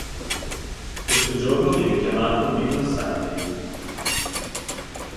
Questo giorno viene chiamato "Middle Sunday".